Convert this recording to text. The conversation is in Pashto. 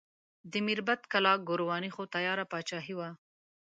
د میربت کلا ګورواني خو تیاره پاچاهي وه.